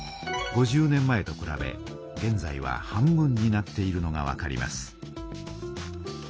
５０年前とくらべげんざいは半分になっているのがわかります。